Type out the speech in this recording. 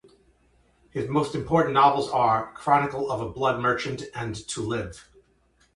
His most important novels are "Chronicle of a Blood Merchant" and "To Live".